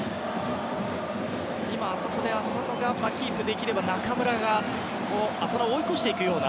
今のは、あそこで浅野がキープできていれば中村が浅野を追い越していくような。